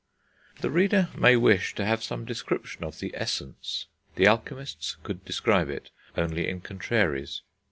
The reader may wish to have some description of the Essence. The alchemists could describe it only in contraries.